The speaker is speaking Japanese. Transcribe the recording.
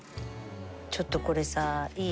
ちょっとこれさいい？